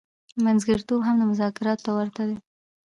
منځګړتوب هم مذاکراتو ته ورته دی.